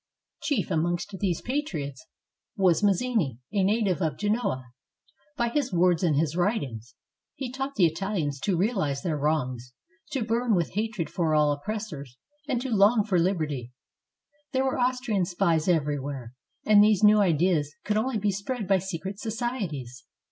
Chief amongst these patriots was Mazzini, a native of Genoa. By his words and his writings, he taught the Italians to realize their wrongs, to burn with hatred for all oppressors, and to long for hberty. There were Aus trian spies every where, and these new ideas could only be spread by secret societies.